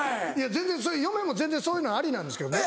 全然それ嫁も全然そういうのありなんですけどね。